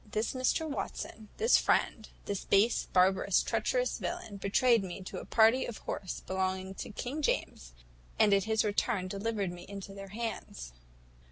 this Mr Watson, this friend, this base, barbarous, treacherous villain, betrayed me to a party of horse belonging to King James, and at his return delivered me into their hands.